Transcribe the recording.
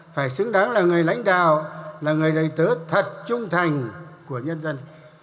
phải xứng đáng là người lãnh đạo là người đại tớ thật trung thành của nhân dân